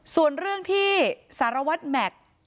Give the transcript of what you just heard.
ส่วนเรื่องที่สารุวัฒน์แมก